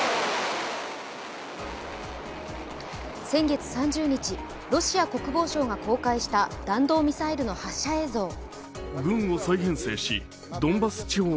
先月３０日、ロシア国防省が公開した弾道ミサイルの発射映像。